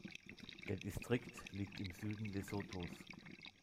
Der Distrikt liegt im Süden Lesothos.